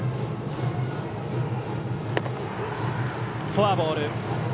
フォアボール。